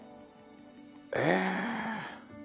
ええ！